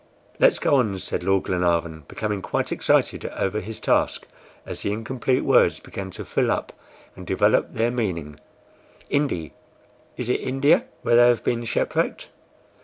"Let's go on," said Lord Glenarvan, becoming quite excited over his task, as the incomplete words began to fill up and develop their meaning. "INDI, is it India where they have been shipwrecked?